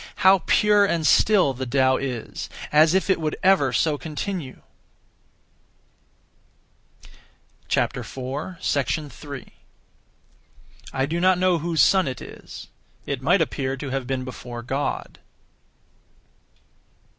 How pure and still the Tao is, as if it would ever so continue! 3. I do not know whose son it is. It might appear to have been before God.